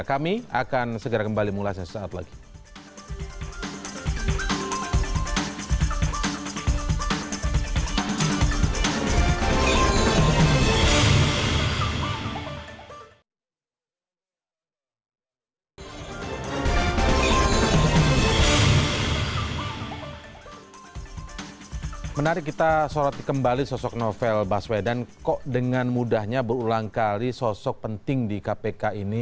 kami akan segera kembali mengulasnya sesaat lagi